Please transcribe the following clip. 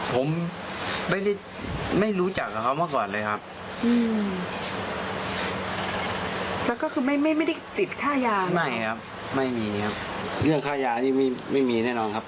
ผมพูดผมพูดเลยไม่มี